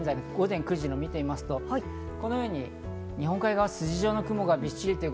午前９時を見てみますとこのように日本海側は筋状の雲がびっしり。